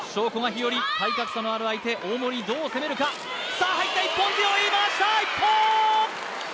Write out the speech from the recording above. ひより体格差のある相手大森にどう攻めるかさあ入った一本背負い回した一本！